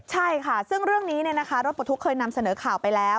ใช่ค่ะซึ่งเรื่องนี้รถปลดทุกข์เคยนำเสนอข่าวไปแล้ว